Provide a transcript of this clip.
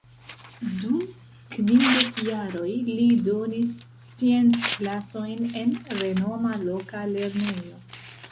Dum kvindek jaroj li donis scienc-klasojn en renoma loka lernejo.